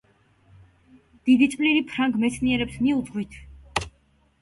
დიდი წვლილი ფრანგ მეცნიერებს მიუძღვით.